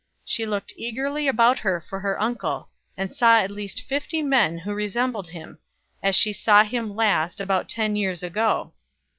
She looked eagerly about for her uncle, and saw at least fifty men who resembled him, as she saw him last, about ten years ago.